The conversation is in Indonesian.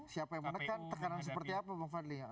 siapa yang menekan tekanan seperti apa bang fadli